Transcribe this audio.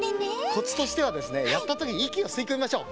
コツとしてはですねやったときいきをすいこみましょう。